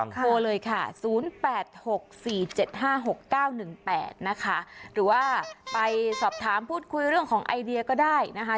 โทรเลยค่ะ๐๘๖๔๗๕๖๙๑๘นะคะหรือว่าไปสอบถามพูดคุยเรื่องของไอเดียก็ได้นะคะ